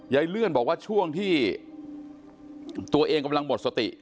เลื่อนบอกว่าช่วงที่ตัวเองกำลังหมดสติ